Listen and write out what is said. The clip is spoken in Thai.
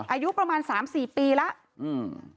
อายุประมาณ๓๔ปีแล้ว